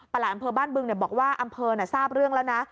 ประหลัดอำเภอบ้านบึงเนี่ยบอกว่าอำเภอน่ะทราบเรื่องแล้วนะ